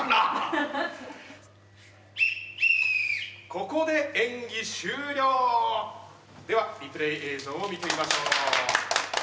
ここで演技終了！ではリプレー映像を見てみましょう。